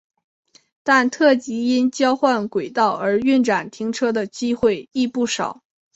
但特急因交换轨道而运转停车的机会亦不少。